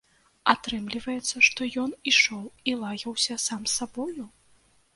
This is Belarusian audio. Атрымліваецца, што ён ішоў і лаяўся сам з сабою?